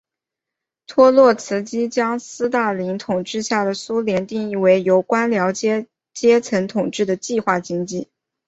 托洛茨基将斯大林统治下的苏联定义为由官僚阶层统治的计划经济。